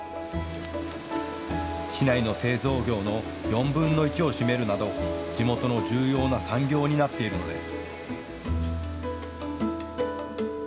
市内の製造業の４分の１を占めるなど地元の重要な産業になっているのです。